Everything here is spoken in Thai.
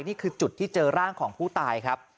นี่คือจุดที่เจอร่างของผู้ตายครับ